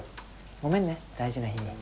ごめんね大事な日に。